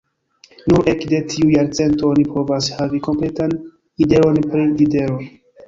Nur ekde tiu jarcento oni povas havi kompletan ideon pri Diderot.